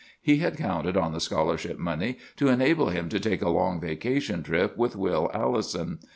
He had counted on the scholarship money to enable him to take a long vacation trip with Will Allison.